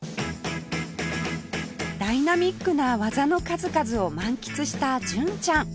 ダイナミックな技の数々を満喫した純ちゃん